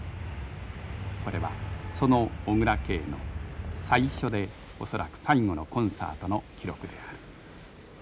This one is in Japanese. これはその小椋佳の最初で恐らく最後のコンサートの記録である。